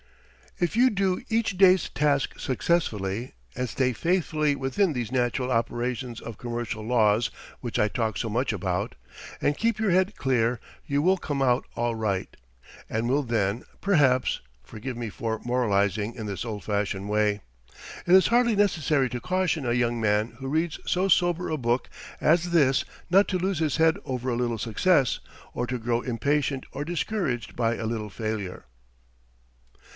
If you do each day's task successfully, and stay faithfully within these natural operations of commercial laws which I talk so much about, and keep your head clear, you will come out all right, and will then, perhaps, forgive me for moralizing in this old fashioned way. It is hardly necessary to caution a young man who reads so sober a book as this not to lose his head over a little success, or to grow impatient or discouraged by a little failure.